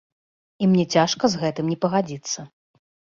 І мне цяжка з гэтым не пагадзіцца.